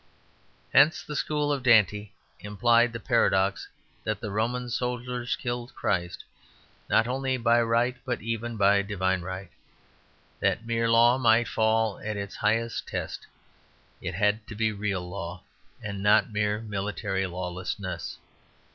Hence the school of Dante implied the paradox that the Roman soldiers killed Christ, not only by right, but even by divine right. That mere law might fail at its highest test it had to be real law, and not mere military lawlessness.